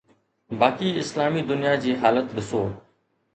باقي اسلامي دنيا جي حالت ڏسو.